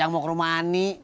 jamok rumah ani